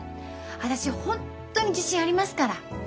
私ホンットに自信ありますから。